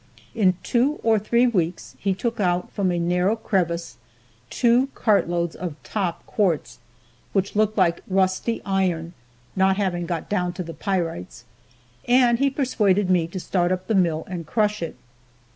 In two or three weeks he took out from a narrow crevice two cart loads of top quartz which looked like rusty iron (not having got down to the pyrites), and he persuaded me to start up the mill and crush it.